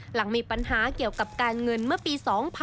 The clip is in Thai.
หลังมีปัญหาเกี่ยวกับการเงินเมื่อปี๒๕๖๒